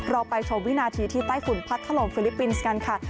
รอไปโชว์วินาทีที่ใต้ฝุ่นพัดเข้าทะลมฟิลิปปินส์กันค่ะ